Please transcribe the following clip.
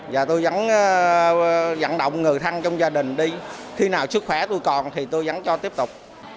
và tôi vẫn dẫn động người thân trong gia đình đi khi nào sức khỏe tôi còn thì tôi vẫn cho tiếp tục